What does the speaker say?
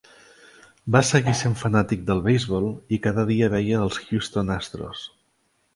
Va seguir sent fanàtic del beisbol i cada dia veia els Houston Astros.